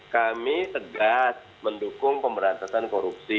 kami tegas mendukung pemberantasan korupsi